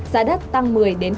giá đất tăng một mươi hai mươi năm